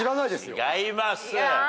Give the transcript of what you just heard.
違います。